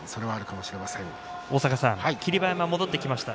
霧馬山が帰ってきました。